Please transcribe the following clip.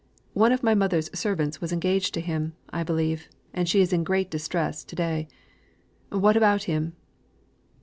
One of my mother's servants was engaged to him, I believe, and she is in great distress to day. What about him?"